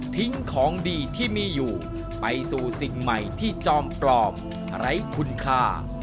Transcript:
ของดีที่มีอยู่ไปสู่สิ่งใหม่ที่จอมปลอมไร้คุณค่า